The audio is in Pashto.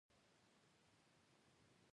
په اسلامي اخوت باور هغه څه وو.